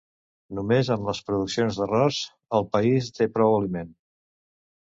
Només amb les produccions d'arròs el país té prou aliment.